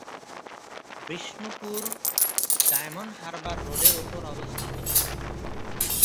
বিষ্ণুপুর ডায়মন্ড হারবার রোডের উপর অবস্থিত।